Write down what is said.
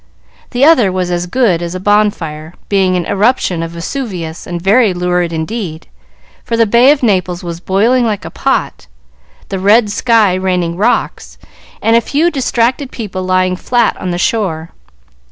The other was as good as a bonfire, being an eruption of Vesuvius, and very lurid indeed, for the Bay of Naples was boiling like a pot, the red sky raining rocks, and a few distracted people lying flat upon the shore.